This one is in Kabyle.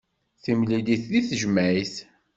Timlilit deg tejmaɛt.